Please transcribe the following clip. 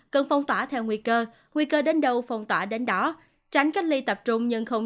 cần phong tỏa theo nguy cơ nguy cơ đến đâu phong tỏa đến đó tránh cách ly tập trung nhưng không